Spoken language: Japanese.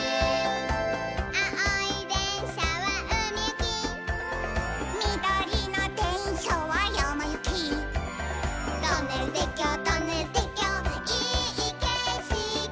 「あおいでんしゃはうみゆき」「みどりのでんしゃはやまゆき」「トンネルてっきょうトンネルてっきょういいけしき」